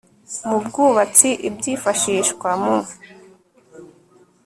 mu bwubatsi ibyifashishwa mu